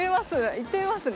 行ってみますね。